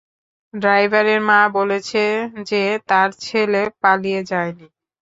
ড্রাইভারের মা বলেছে যে তার ছেলে পালিয়ে যায়নি।